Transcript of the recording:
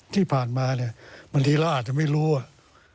ที่ผ่านมาเนี่ยบางทีเราอาจจะไม่รู้ว่า